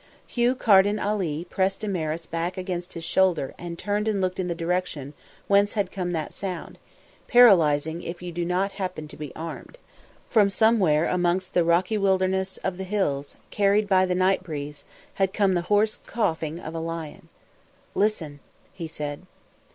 Hugh Carden pressed Damaris back against his shoulder and turned and looked in the direction whence had come that sound, paralysing if you do not happen to be armed. From somewhere amongst the rocky wilderness of the hills, carried by the night breeze, had come the hoarse coughing of a lion. "Listen," he said.